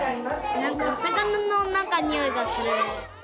なんかお魚のなんかにおいがする。